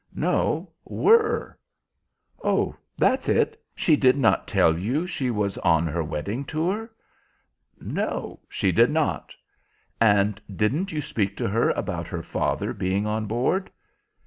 "No, were." "Oh, that's it. She did not tell you she was on her wedding tour?" "No, she did not." "And didn't you speak to her about her father being on board?"